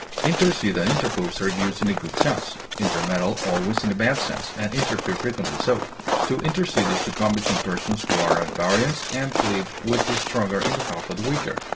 Intercede and interpose are used in a good sense; intermeddle always in a bad sense, and interfere frequently so. To intercede is to come between persons who are at variance, and plead with the stronger in behalf of the weaker.